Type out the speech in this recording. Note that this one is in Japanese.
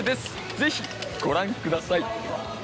ぜひご覧ください！